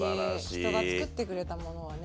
人が作ってくれたものはね